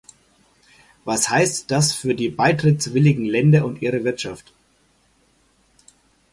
Was heißt das für die beitrittswilligen Länder und ihre Wirtschaft?